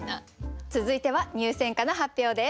続いては入選歌の発表です。